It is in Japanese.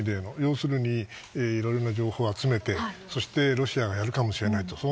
要するに、いろいろな情報を集めそしてロシアがやるかもしれないと。